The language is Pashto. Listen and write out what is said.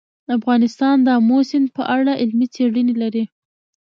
افغانستان د آمو سیند په اړه علمي څېړنې لري.